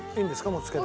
もうつけて。